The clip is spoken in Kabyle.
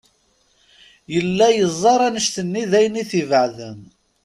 Yella yeẓẓar annect-nni d ayen i t-ibeɛden.